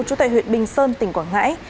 chú tại huyện bình sơn tỉnh quảng ngãi